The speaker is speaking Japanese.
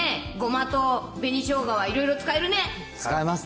ごまと紅しょうがは、いろいろ使えるね。